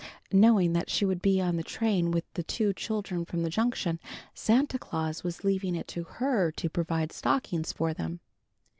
Knowing that she would be on the train with the two children from the Junction, Santa Claus was leaving it to her to provide stockings for them.